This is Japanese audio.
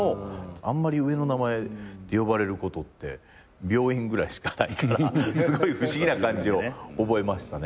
あんまり上の名前呼ばれることって病院ぐらいしかないから不思議な感じを覚えましたね。